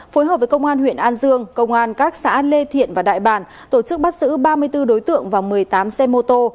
phối hợp với công an huyện an dương công an các xã lê thiện và đại bản tổ chức bắt xử ba mươi bốn đối tượng và một mươi tám xe mô tô